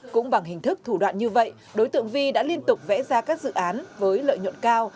cũng bằng hình thức thủ đoạn như vậy đối tượng vi đã liên tục vẽ ra các dự án với lợi nhuận cao